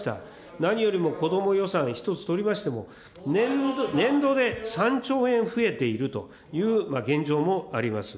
何よりもこども予算一つ取りましても、年度で３兆円増えているという現状もあります。